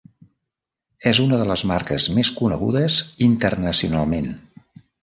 És una de les marques més conegudes internacionalment.